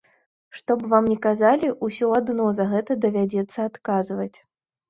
Што б вам ні казалі, усё адно за гэта давядзецца адказваць.